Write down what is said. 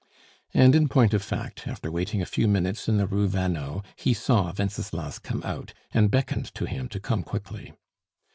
And in point of fact, after waiting a few minutes in the Rue Vanneau, he saw Wenceslas come out, and beckoned to him to come quickly.